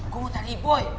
gua mau cari boy